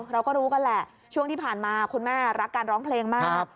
เราก็รู้กันแหละช่วงที่ผ่านมาคุณแม่รักการร้องเพลงมาก